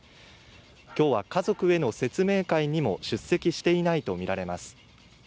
今日は家族への説明会にも出席していないとみられます。